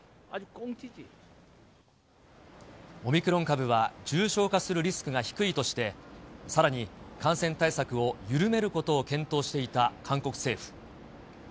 オミクロン株は、重症化するリスクが低いとして、さらに感染対策を緩めることを検討していた韓国政府。